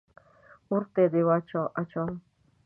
اور ته دې اچوم.